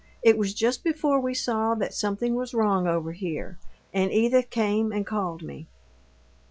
It was just before we saw that something was wrong over here, and Edith came and called me."